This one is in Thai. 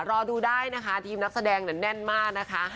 รอดูได้นะคะทีมนักแสดงแน่นมากนะคะ